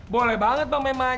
boleh banget bang meman